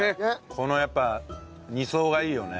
このやっぱ２層がいいよね。